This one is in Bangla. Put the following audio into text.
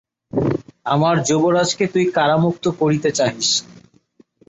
আমার যুবরাজকে তুই কারামুক্ত করিতে চাহিস।